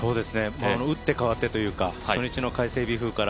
打って変わってというか初日の快晴から。